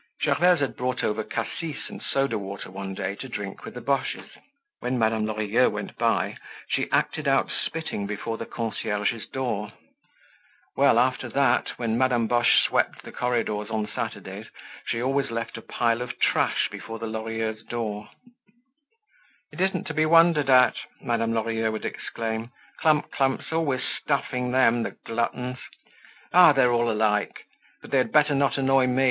Gervaise had brought over cassis and soda water one day to drink with the Boches. When Madame Lorilleux went by, she acted out spitting before the concierge's door. Well, after that when Madame Boche swept the corridors on Saturdays, she always left a pile of trash before the Lorilleuxs' door. "It isn't to be wondered at!" Madame Lorilleux would exclaim, "Clump clump's always stuffing them, the gluttons! Ah! they're all alike; but they had better not annoy me!